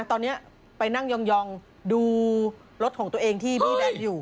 ตอนนี้ไปนั่งยองดูรถของตัวเองที่บี้แดงอยู่